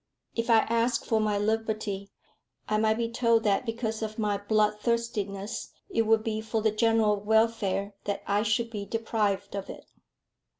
If I asked for my liberty, I might be told that because of my bloodthirstiness it would be for the general welfare that I should be deprived of it.